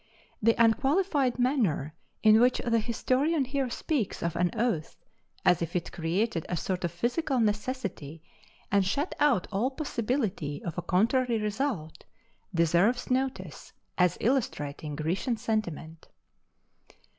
The unqualified manner in which the historian here speaks of an oath, as if it created a sort of physical necessity and shut out all possibility of a contrary result, deserves notice as illustrating Grecian sentiment.